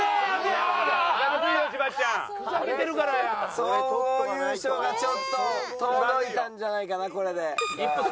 総合優勝がちょっと遠のいたんじゃないかなこれで。